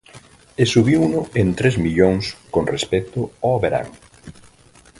E subiuno en tres millóns con respecto ao verán.